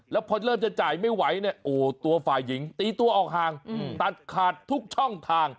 แล้วพอเริ่มจะจ่ายไม่ไหวเนี่ยโอ้ตัวฝ่ายหญิงตีตัวออกห่างตัดขาดทุกช่องทาง